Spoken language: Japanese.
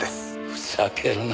ふざけるな。